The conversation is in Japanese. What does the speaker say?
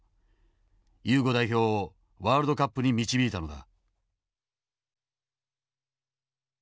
ユーゴ代表をワールドカップに導いたのだ。